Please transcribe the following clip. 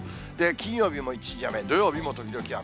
金曜日も一時雨、土曜日も時々雨。